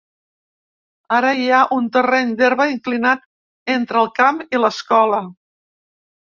Ara hi ha un terreny d'herba inclinat entre el camp i l'escola.